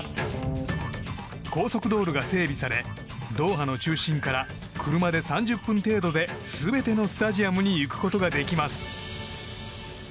高速道路が整備されドーハの中心から車で３０分程度で全てのスタジアムに行くことができます。